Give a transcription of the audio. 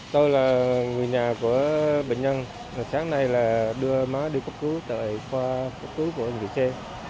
tôi là người nhà của bệnh nhân sáng nay đưa má đi cấp cứu tại khoa cấp cứu của người chê